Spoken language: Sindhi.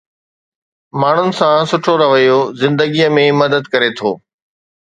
ماڻهن سان سٺو رويو زندگي ۾ مدد ڪري ٿو